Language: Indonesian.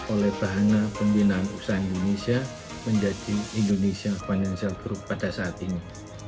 oleh bahana pembinaan usaha indonesia menjadi indonesian financial group pada saat ini